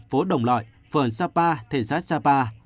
phố đồng lọi phường sapa thị xã sapa